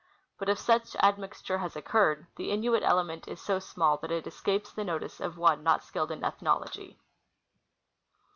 But if such admixture has occurred, the Innuit ele ment is so small that it escapes the notice of one not skilled in ethnology.